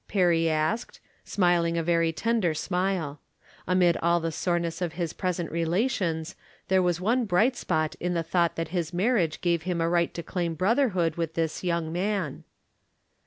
" Perry asked, smiling a very tender smile. Amid all the soreness of his pres ent relations there was one bright spot in the thought that his marriage gave him a right to claim brotherhood with this young man.